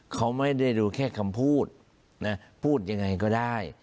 เขาไม่ได้ดูแค่คำพูดนะพูดยังไงก็ได้